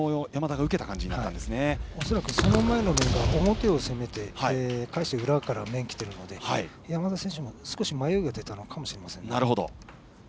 恐らくその前の面が表で受けて返して裏から面にきているので山田選手も少し迷いが出たのかもしれません。